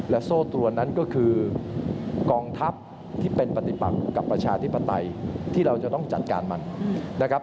โซ่ตัวนั้นก็คือกองทัพที่เป็นปฏิปักกับประชาธิปไตยที่เราจะต้องจัดการมันนะครับ